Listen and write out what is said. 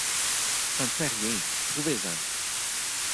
Ça ne fait rien, trouvez-en!